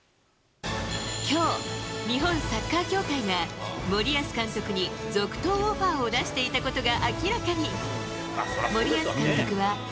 きょう、日本サッカー協会が、森保監督に続投オファーを出していたことが明らかに。